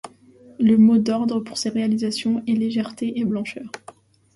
Le mot d’ordre pour ses réalisations est légèreté et blancheur.